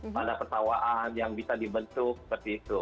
tanah persawaan yang bisa dibentuk seperti itu